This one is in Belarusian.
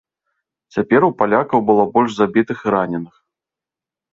Цяпер у палякаў было больш забітых і раненых.